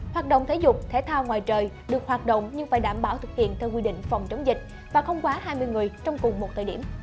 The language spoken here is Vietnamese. hoạt động thể dục thể thao ngoài trời được hoạt động nhưng phải đảm bảo thực hiện theo quy định phòng chống dịch và không quá hai mươi người trong cùng một thời điểm